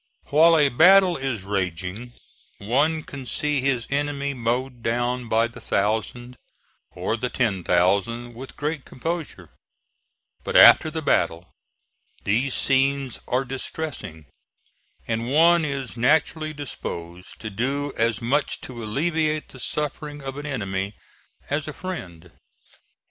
While a battle is raging one can see his enemy mowed down by the thousand, or the ten thousand, with great composure; but after the battle these scenes are distressing, and one is naturally disposed to do as much to alleviate the suffering of an enemy as a friend.